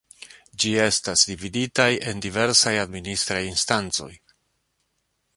Ĝi estas dividitaj en diversaj administraj instancoj.